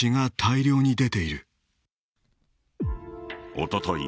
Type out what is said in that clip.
おととい